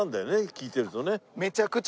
聞いてるとね。